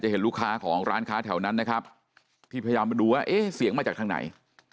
เห็นลูกค้าของร้านค้าแถวนั้นนะครับที่พยายามมาดูว่าเอ๊ะเสียงมาจากทางไหน